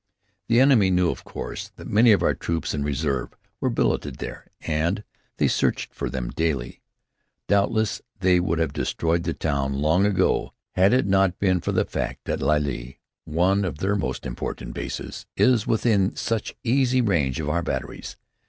The enemy knew, of course, that many of our troops in reserve were billeted there, and they searched for them daily. Doubtless they would have destroyed the town long ago had it not been for the fact that Lille, one of their own most important bases, is within such easy range of our batteries.